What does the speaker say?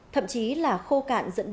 thậm chí là khô cạn dẫn đến kênh xuống thấp